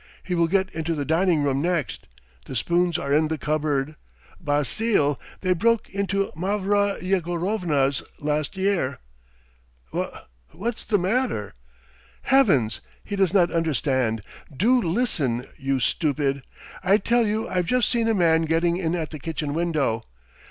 He will get into the dining room next ... the spoons are in the cupboard! Basile! They broke into Mavra Yegorovna's last year." "Wha what's the matter?" "Heavens! he does not understand. Do listen, you stupid! I tell you I've just seen a man getting in at the kitchen window!